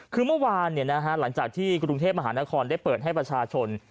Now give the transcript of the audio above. คือเมื่อวานหลังจากที่กรุงเทพมหานครได้เปิดให้ประชาชน